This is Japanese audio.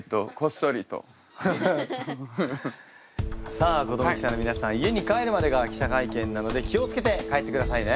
さあ子ども記者の皆さん家に帰るまでが記者会見なので気を付けて帰ってくださいね。